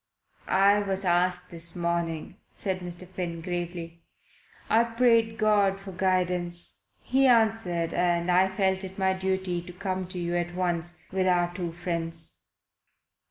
"I was asked this morning," said Mr. Finn gravely. "I prayed God for guidance. He answered, and I felt it my duty to come to you at once, with our two friends."